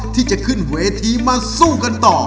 ที่จะขึ้นเวทีมาสู้กันต่อ